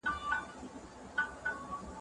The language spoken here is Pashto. دا ستا دسرو سترګو